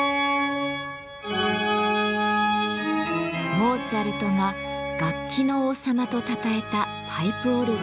モーツァルトが「楽器の王様」とたたえたパイプオルガン。